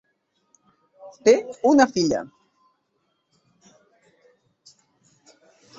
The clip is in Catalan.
Té una filla.